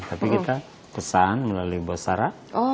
tapi kita pesan melalui bosara